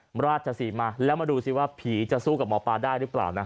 มราชสีมาแล้วมาดูสิว่าผีจะสู้กับหมอปลาได้หรือเปล่านะ